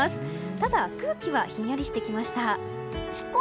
ただ、空気はひんやりしてきました。